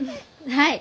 はい。